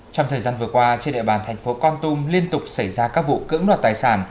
trong thời gian vừa qua trên địa bàn thành phố con tum liên tục xảy ra các vụ cưỡng đoạt tài sản